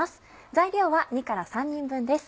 材料は２３人分です。